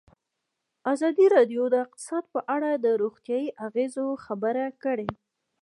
ازادي راډیو د اقتصاد په اړه د روغتیایي اغېزو خبره کړې.